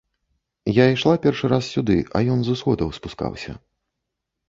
Я ішла першы раз сюды, а ён з усходаў спускаўся.